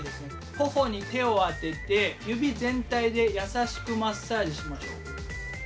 頬に手を当てて指全体で優しくマッサージしましょう。